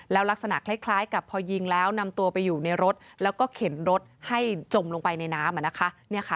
แล้วลักษณะคล้ายกับพอยิงแล้วนำตัวไปอยู่ในรถแล้วก็เข็นรถให้จมลงไปในน้ำ